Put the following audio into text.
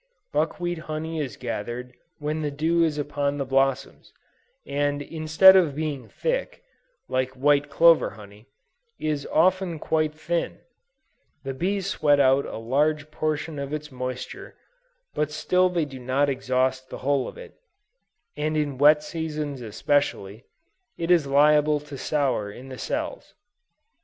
Buckwheat honey is gathered when the dew is upon the blossoms, and instead of being thick, like white clover honey, is often quite thin; the bees sweat out a large portion of its moisture, but still they do not exhaust the whole of it, and in wet seasons especially, it is liable to sour in the cells.